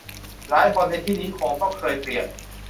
หลายคนในที่นี้คงต้องเคยเปลี่ยน